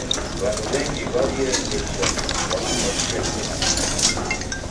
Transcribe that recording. W'andu w'engi w'aw'iaendelia kufwa kwa chia isemanyikagha.